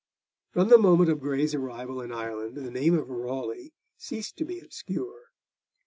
From the moment of Grey's arrival in Ireland, the name of Raleigh ceased to be obscure.